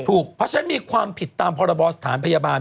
เพราะฉะนั้นมีความผิดตามพรบสถานพยาบาล